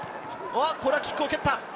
キックを蹴った。